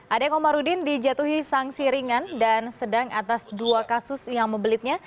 adek komarudin dijatuhi sanksi ringan dan sedang atas dua kasus yang membelitnya